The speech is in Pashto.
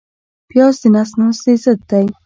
پیاز د نس ناستي ضد دی